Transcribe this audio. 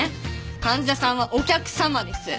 患者さんはお客様です。